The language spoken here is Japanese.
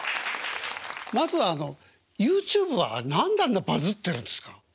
まずはＹｏｕＴｕｂｅは何であんなバズってるんですか？